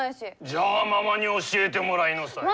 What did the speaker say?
じゃあママに教えてもらいなさい。